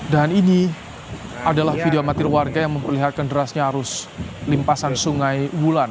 ini adalah video amatir warga yang memperlihatkan derasnya arus limpasan sungai wulan